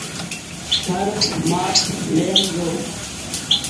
ٿرمآش لين جو۔